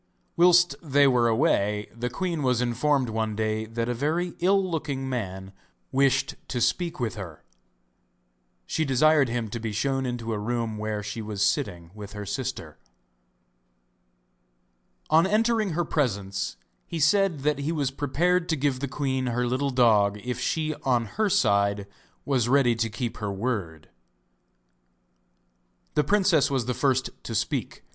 Whilst they were away the queen was informed one day that a very ill looking man wished to speak with her. She desired him to be shown into a room where she was sitting with her sister. On entering her presence he said that he was prepared to give the queen her little dog if she on her side was ready to keep her word. The princess was the first to speak.